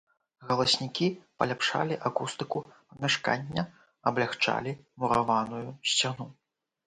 Галаснікі паляпшалі акустыку памяшкання, аблягчалі мураваную сцяну.